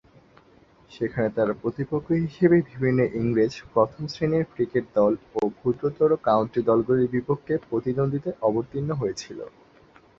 সেখানে তারা প্রতিপক্ষ হিসেবে বিভিন্ন ইংরেজ প্রথম-শ্রেণীর ক্রিকেট দল ও ক্ষুদ্রতর কাউন্টি দলগুলোর বিপক্ষে প্রতিদ্বন্দ্বিতায় অবতীর্ণ হয়েছিল।